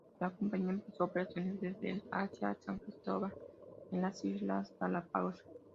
La compañía empezó operaciones desde y hacia San Cristóbal en las Islas Galápagos.